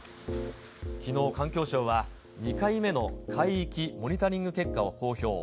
きのう環境省は、２回目の海域モニタリング結果を公表。